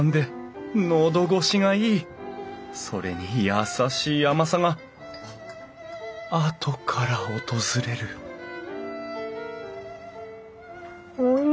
それに優しい甘さがあとから訪れるおい